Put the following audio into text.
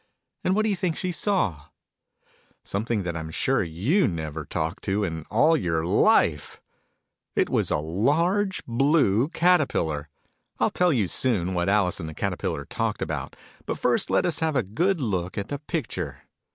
And what do you think she saw ? Something that I'm sure you never talked to, in all your life ! Digitized bv Copti c THE BLUE CATERPILLAR. 2 ? It was a large Blue Caterpillar. I'll tell you, soon, what Alice and the Caterpillar talked about : but first let us have a good look at the picture.